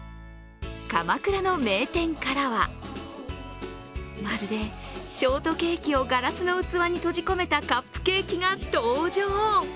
鎌倉の名店からは、まるでショートケーキをガラスの器に閉じ込めたカップケーキが登場。